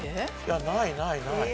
ないないない。